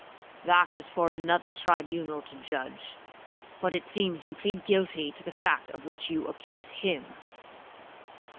'—'That is for another tribunal to judge. But it seems you plead guilty to the fact of which you accuse him.'